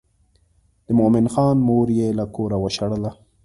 د مومن خان مور یې له کوره وشړله.